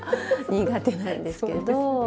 苦手なんですけど。